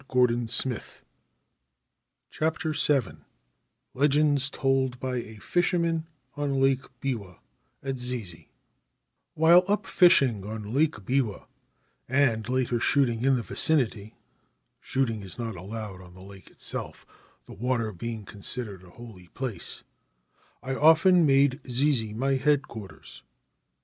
46 VII LEGENDS TOLD BY A FISHERMAN ON LAKE BIWA, AT ZEZE WHILE up fishing on Lake Biwa, and later shooting in the vicinity (shooting is not allowed on the lake itself, the water being considered a holy place), I often made Zeze my head quarters.